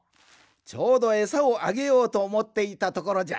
ちょうどえさをあげようとおもっていたところじゃ。